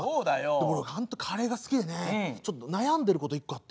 でも俺本当カレーが好きでねちょっと悩んでること一個あって。